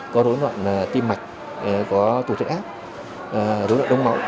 có rối loạn tim mạch có tổn thương ác rối loạn đông mẫu